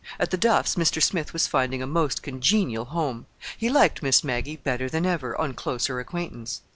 At the Duffs' Mr. Smith was finding a most congenial home. He liked Miss Maggie better than ever, on closer acquaintance.